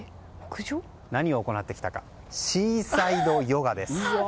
何を行ってきたかシーサイドヨガです。